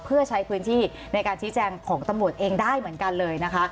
เพื่อใช้พื้นที่ในการชี้แจงของตำรวจเองได้เหมือนกันเลยนะคะ